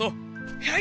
はい！